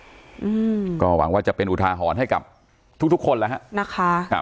อืมก็หวังว่าจะเป็นอุทาหรณ์ให้กับทุกทุกคนแล้วฮะนะคะครับ